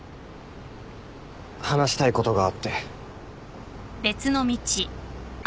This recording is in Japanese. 話したいことがあって。